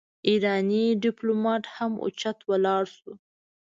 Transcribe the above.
ايرانی ډيپلومات هم اوچت ولاړ شو.